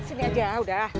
sini aja udah